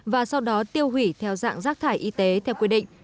và sau đó tiêu hủy theo dạng rác thải y tế theo quy định